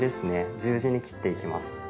十字に切っていきます。